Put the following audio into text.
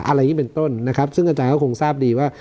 อย่างนี้เป็นต้นนะครับซึ่งอาจารย์ก็คงทราบดีว่า